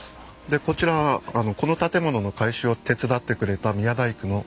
でこちらはこの建物の改修を手伝ってくれた宮大工の。